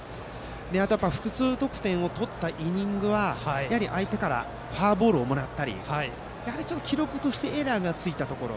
あと複数得点のイニングは相手からフォアボールをもらったり記録としてエラーがついたところ。